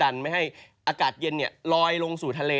แล้วก็ดันให้อากาศเย็นลอยลงสู่ทะเล